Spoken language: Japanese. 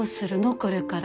これから。